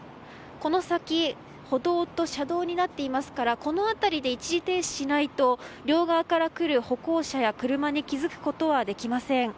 この先歩道と車道になっていますからこの辺りで一時停止しないと両側からくる歩行者や車に気づくことはできません。